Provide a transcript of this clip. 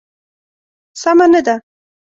سمه نه ده.